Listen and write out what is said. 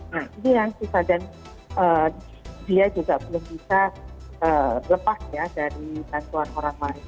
nah ini yang susah dan dia juga belum bisa lepas ya dari bantuan orang lain